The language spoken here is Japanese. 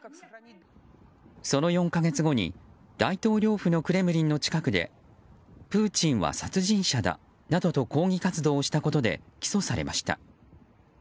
その４か月後に大統領府のクレムリンの近くでプーチンは殺人者だなどと抗議活動をしたことで起訴されました。